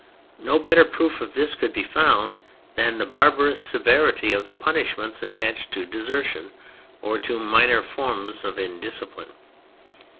No better proof of this could be found than the barbarous severity of the punishments attached to desertion, or to minor forms of indiscipline.